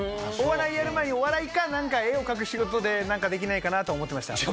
お笑いやる前にお笑いかなんか絵を描く仕事でなんかできないかなと思ってました。